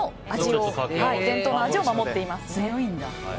伝統の味を守っています。